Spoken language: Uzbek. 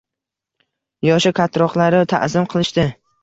Yoshi kattaroqlari ta`zim qilishdi